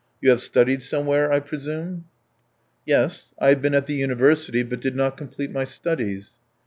You have studied somewhere, I presume?" "Yes, I have been at the university, but did not complete my studies."